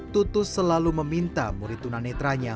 tutus selalu meminta murid tunanetranya